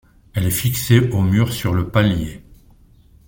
Elle est fixée au mur sur le palier.